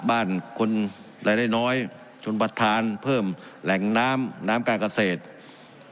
บ้านคนรายได้น้อยชนประธานเพิ่มแหล่งน้ำน้ำการเกษตร